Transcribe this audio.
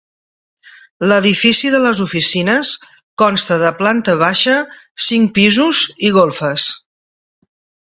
L'edifici de les oficines consta de planta baixa, cinc pisos i golfes.